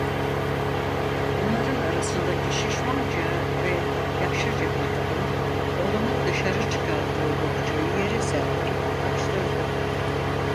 Bunların arasındaki şişmanca ve yaşlıca bir kadın oğlanın dışarı çıkardığı bohçayı yere serdirip açtırdı.